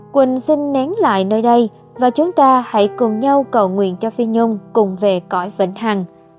quỳnh xin nén lại nơi đây và chúng ta hãy cùng nhau cầu nguyện cho phi nhung cùng về cõi vĩnh hằng